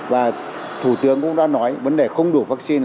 và thủ tướng cũng đã nói vấn đề không đủ vaccine